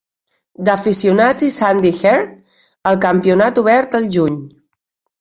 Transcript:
d'Aficionats i Sandy Herd al campionat obert el juny.